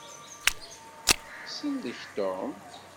Sellek Tom!